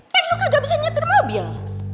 per lu kagak bisa nyetir mobil